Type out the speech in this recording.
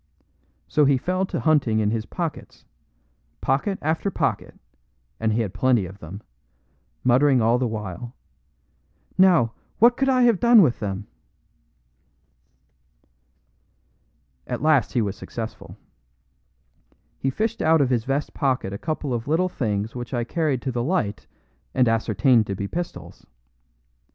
So he fell to hunting in his pockets pocket after pocket, and he had plenty of them muttering all the while, "Now, what could I have done with them?" At last he was successful. He fished out of his vest pocket a couple of little things which I carried to the light and ascertained to be pistols.